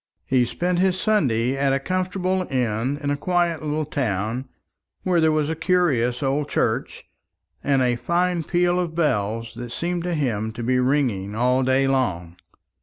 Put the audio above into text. He spent his Sunday at a comfortable inn in a quiet little town, where there was a curious old church, and a fine peal of bells that seemed to him to be ringing all day long.